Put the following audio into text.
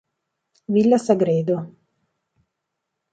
Villa Sagredo